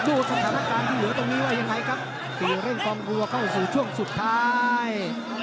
สถานการณ์ที่เหลือตรงนี้ว่ายังไงครับที่เร่งกองรัวเข้าสู่ช่วงสุดท้าย